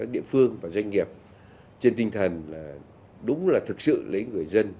địa phương và doanh nghiệp trên tinh thần là đúng là thực sự lấy người dân